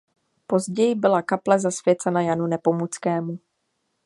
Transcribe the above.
Později byla kaple zasvěcena Janu Nepomuckému.